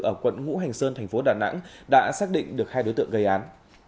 ở quận ngũ hành sơn thành phố đà nẵng đã xác định được hai đối tượng gây án